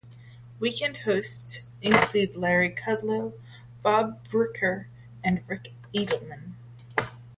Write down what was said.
Weekend hosts include Larry Kudlow, Bob Brinker and Ric Edelman.